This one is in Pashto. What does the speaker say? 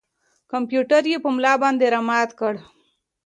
کمپیوټر یې په ملا باندې را مات کړ.